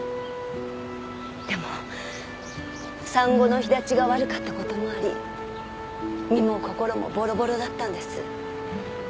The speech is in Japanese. でも産後の肥立ちが悪かった事もあり身も心もボロボロだったんです。